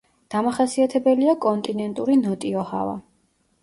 დამახასიათებელია კონტინენტური ნოტიო ჰავა.